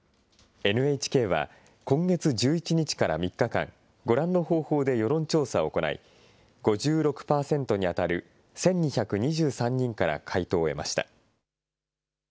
ＮＨＫは、今月１１日から３日間、ご覧の方法で世論調査を行い、５６％に当たる１２２３人から回答を得ました。